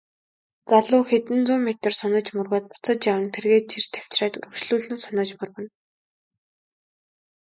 Залуу хэдэн зуун метр сунаж мөргөөд буцаж яван тэргээ чирч авчраад үргэлжлүүлэн сунаж мөргөнө.